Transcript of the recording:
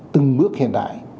từng bước hiện đại